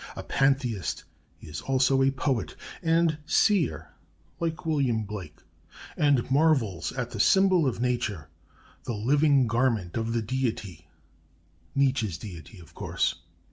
A pantheist, he is also a poet and seer like William Blake, and marvels at the symbol of nature, 'the living garment of the Deity' Nietzsche's deity, of course....